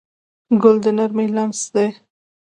ګل د نرمۍ لمس دی.